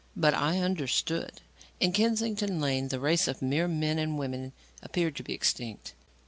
But I understood. In Kennington Lane, the race of mere men and women appeared to be extinct.